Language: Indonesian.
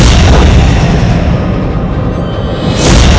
aku akan mengejarmu